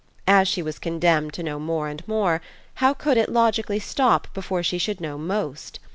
As she was condemned to know more and more, how could it logically stop before she should know Most?